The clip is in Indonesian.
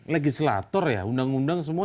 legislator ya undang undang semua